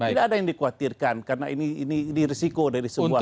tidak ada yang dikhawatirkan karena ini diresiko dari semua kehidupan